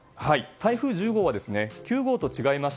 台風１０号は９号と違い